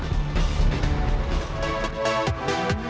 setiap pergerakan tim di lapangan